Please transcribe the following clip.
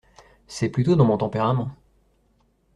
C’est plutôt dans mon tempérament.